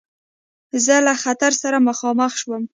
زه له خطر سره مخامخ شوم.